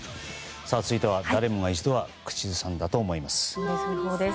続いては誰もが一度は口ずさんだと思います。